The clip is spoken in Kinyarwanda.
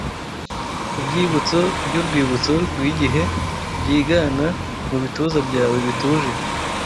Kubyibutso byurwibutso rwigihe Byigana mubituza byawe bituje!